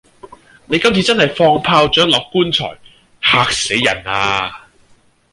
你今次真係放炮仗落棺材——嚇死人呀！